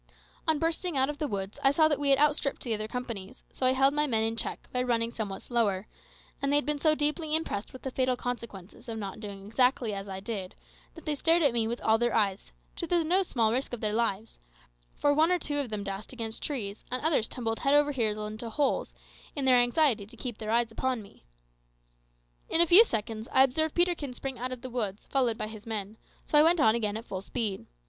On bursting out of the woods I saw that we had outstripped the other companies, so I held my men in check by running somewhat slower; and they had been so deeply impressed with the fatal consequences of not doing exactly as I did, that they stared at me with all their eyes, to the no small risk of their lives; for one or two dashed against trees, and others tumbled head over heels into holes, in their anxiety to keep their eyes upon me. In a few seconds I observed Peterkin spring out of the woods, followed by his men, so I went on again at full speed.